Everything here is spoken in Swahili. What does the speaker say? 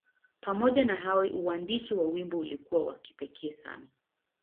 Pamoja na hayo, uandishi wa wimbo ulikuwa wa kipekee sana.